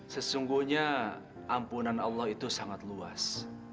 sesungguhnya ampunan allah itu sangat luas